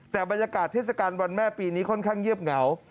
แต่บรรยากาศเทศกาลวันแม่ปีนี้ค่อนข้างเงียบเหงา